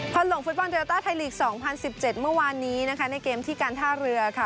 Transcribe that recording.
พอหลงฟุตบอลโตยาต้าไทยลีกสองพันสิบเจ็ดเมื่อวานนี้นะคะในเกมที่การท่าเรือค่ะ